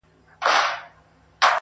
چې ډېر وروسته خبرېږو